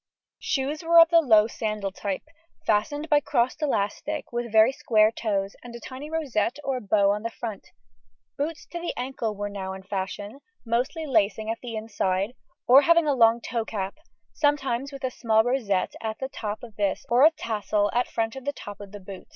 Shoes were of the low sandal type, fastened by crossed elastic, with very square toes, and a tiny rosette or bow on the front; boots to the ankle were now in fashion, mostly lacing at the inside, and having a long toe cap, sometimes with a small rosette at the top of this or a tassel at front of the top of the boot.